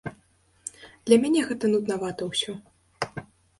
Для мяне гэта нуднавата ўсё.